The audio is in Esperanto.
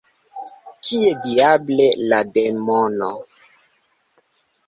Kie diable la demono?